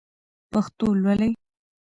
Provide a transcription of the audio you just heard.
پښتو لولئ!